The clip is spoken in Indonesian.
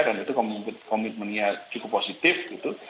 dan itu komitmennya cukup positif gitu